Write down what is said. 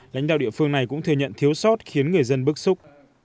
lãnh đạo địa phương này cũng thừa nhận thiếu sót khiến người dân bức xúc